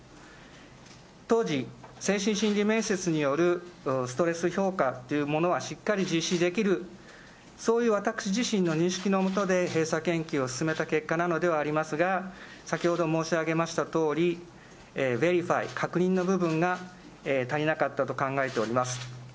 当時、精神心理面接によるストレス評価というものはしっかり実施できる、そういう私自身の認識のもとで、閉鎖研究を進めた結果なのではありますが、先ほど申し上げましたとおり、ベリファイ、確認の部分が足りなかったと考えております。